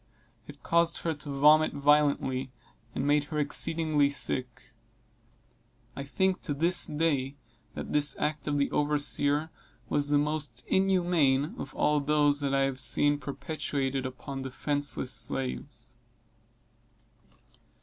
It caused her to vomit violently, and made her exceedingly sick. I think to this day, that this act of the overseer was the most inhuman of all those that I have seen perpetrated upon defenceless slaves.